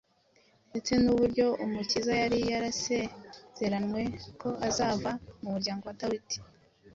ndetse n’uburyo Umukiza yari yarasezeranwe ko azava mu muryango wa Dawidi.